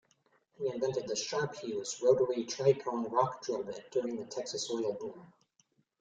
He invented the "Sharp-Hughes" rotary tri-cone rock drill bit during the Texas Oil Boom.